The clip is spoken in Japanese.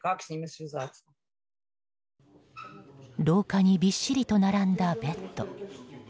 廊下にびっしりと並んだベッド。